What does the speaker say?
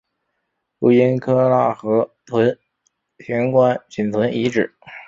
如今喀喇河屯行宫仅存遗址。